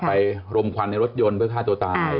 รมควันในรถยนต์เพื่อฆ่าตัวตาย